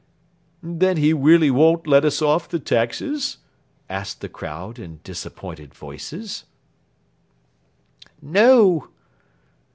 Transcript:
"Then he really won't let us off the taxes?" asked the crowd in disappointed voices. "No."